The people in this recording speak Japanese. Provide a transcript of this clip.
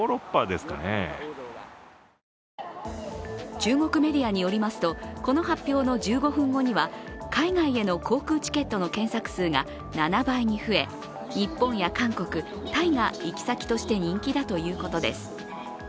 中国メディアによりますと、この発表の１５分後には海外への航空チケットの検索数が７倍に増え日本や韓国、タイが行き先として人気だということです。